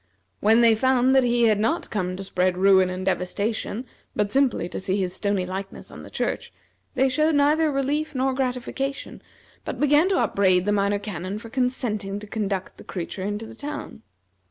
When they found that he had not come to spread ruin and devastation, but simply to see his stony likeness on the church, they showed neither relief nor gratification, but began to upbraid the Minor Canon for consenting to conduct the creature into the town.